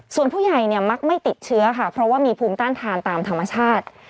ส่วนผู้ใหญ่เนี่ยมักไม่ติดเชื้อค่ะเพราะว่ามีภูมิต้านทานตามธรรมชาติ